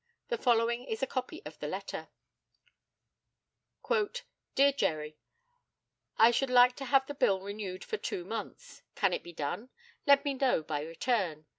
The following is a copy of the letter: "Dear Jerry, I should like to have the bill renewed for two months. Can it be done? Let me know by return.